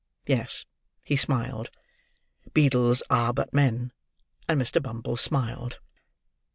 Yes, he smiled. Beadles are but men: and Mr. Bumble smiled.